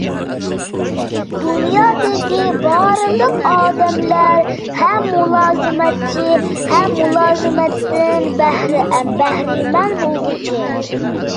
دۇنيادىكى بارلىق ئادەملەر ھەم مۇلازىمەتچى ھەم مۇلازىمەتتىن بەھرىمەن بولغۇچى.